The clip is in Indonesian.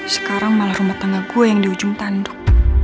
sekarang malah rumah tangga gue yang di ujung tanduk